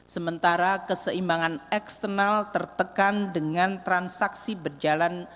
sementara keseimbangan eksternal tertekan dengan transaksi berjalan